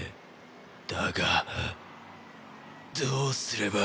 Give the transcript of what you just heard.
だがどうすれば。